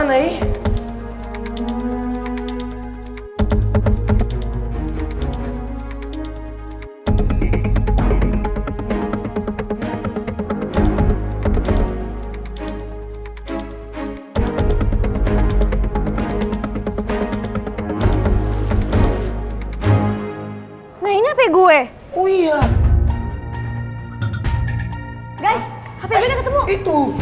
kau bisa keadaan ini